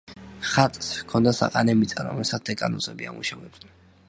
ხატს ჰქონდა საყანე მიწა, რომელსაც დეკანოზები ამუშავებდნენ.